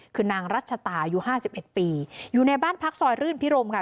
คือนางรัชตาอายุ๕๑ปีอยู่ในบ้านพักซอยรื่นพิโรมค่ะ